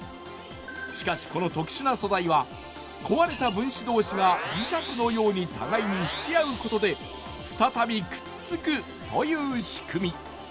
しかしこの特殊な素材は壊れた分子同士が磁石のように互いに引き合うことで再びくっつくという仕組み。